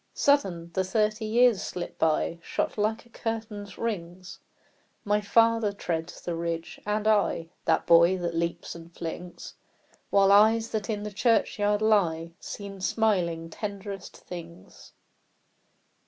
Sudden, the thirty years slip by, Shot like a curtain's rings ! My father treads the ridge, and I The boy that leaps and flings, While eyes that in the churchyard lie Seem smiling tenderest things.